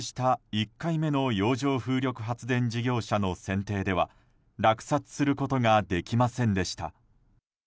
１回目の洋上風力発電事業者の選定では落札することができませんでした。